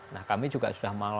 nah kami juga sudah